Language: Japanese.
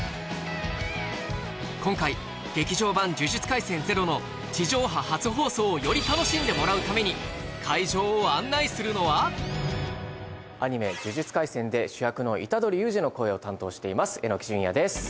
今回「劇場版呪術廻戦０」の地上波初放送をより楽しんでもらうためにアニメ「呪術廻戦」で主役の虎杖悠仁の声を担当しています榎木淳弥です。